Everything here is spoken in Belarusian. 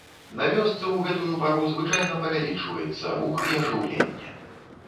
На вёсцы ў гэтую пару звычайна павялічваецца рух і ажыўленне.